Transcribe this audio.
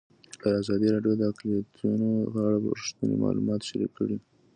ازادي راډیو د اقلیتونه په اړه رښتیني معلومات شریک کړي.